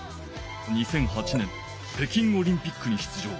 ２００８年北京オリンピックに出場。